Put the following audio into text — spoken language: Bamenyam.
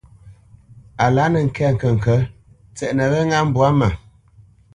A lǎ nə̄ ŋkɛ̂t ŋkəŋkə̌t, tsɛʼnə wɛ́ ŋá mbwǎ mə.